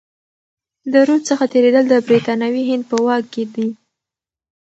د رود څخه تیریدل د برتانوي هند په واک کي دي.